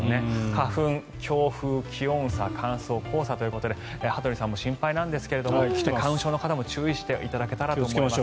花粉、強風、気温差乾燥、黄砂ということで羽鳥さんも心配なんですが花粉症の方も注意していただければと思います。